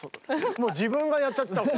もう自分がやっちゃってたもん。